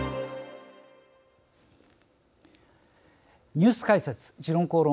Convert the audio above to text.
「ニュース解説時論公論」。